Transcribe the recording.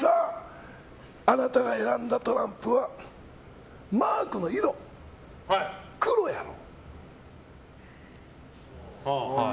あなたが選んだトランプはマークの色、黒やろ。